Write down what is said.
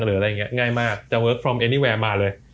หรืออะไรอย่างนี้ง่ายมากจะเวิร์คฟอร์มเอนี่แวร์มาเลย